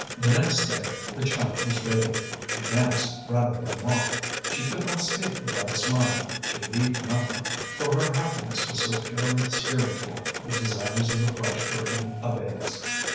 The next day the child was radiant; she danced rather than walked; she could not speak without a smile; she could eat nothing, for her happiness was so purely spiritual that desires of the flesh were in abeyance.